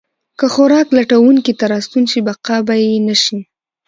که خوراک لټونکي ته راستون شي، بقا به یې نه شي.